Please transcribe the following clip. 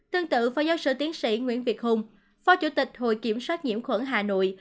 tương tự phó giáo sư tiến sĩ nguyễn việt hùng phó chủ tịch hội kiểm soát nhiễm khuẩn hà nội